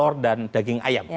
telor dan daging ayam